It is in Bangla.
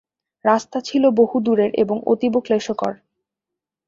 রাস্তা ছিল বহু দূরের এবং অতীব ক্লেশকর।